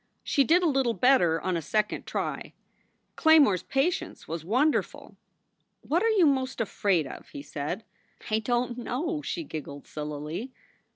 She did a little better on a second try. Claymore s patience was wonderful. "What are you most afraid of?" he said. "I don t know," she giggled, sillily.